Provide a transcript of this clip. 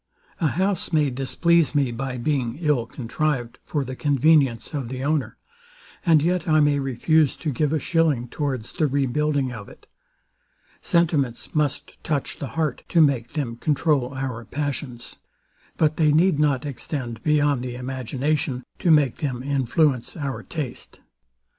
A house may displease me by being ill contrived for the convenience of the owner; and yet I may refuse to give a shilling towards the rebuilding of it. Sentiments must touch the heart, to make them controul our passions: But they need not extend beyond the imagination, to make them influence our taste.